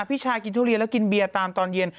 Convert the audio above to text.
พี่ชายกินทุเรียนแล้วกินเบียร์ตามตอนเย็น